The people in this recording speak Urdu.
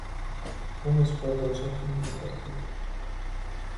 تم اس پر بھروسہ کیوں نہیں کرتے؟